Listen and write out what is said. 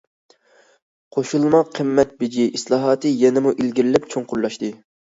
قوشۇلما قىممەت بېجى ئىسلاھاتى يەنىمۇ ئىلگىرىلەپ چوڭقۇرلاشتى.